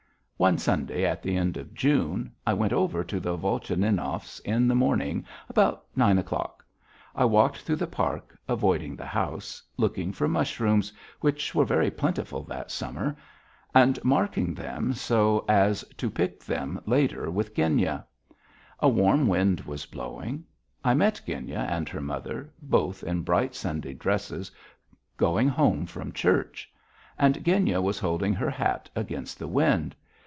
One Sunday, at the end of June, I went over to the Volchaninovs in the morning about nine o'clock. I walked through the park, avoiding the house, looking for mushrooms, which were very plentiful that summer, and marking them so as to pick them later with Genya. A warm wind was blowing. I met Genya and her mother, both in bright Sunday dresses, going home from church, and Genya was holding her hat against the wind.